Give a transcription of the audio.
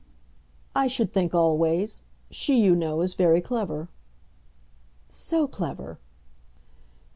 "I should think always. She, you know, is very clever." "So clever!"